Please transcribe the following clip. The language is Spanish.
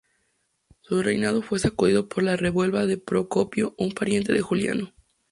Su reinado fue sacudido por la revuelta de Procopio, un pariente de Juliano.